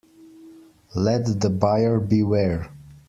Let the buyer beware.